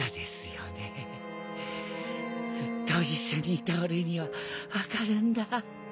ずっと一緒にいた俺には分かるんだ。